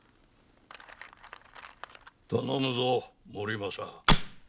頼むぞ盛政。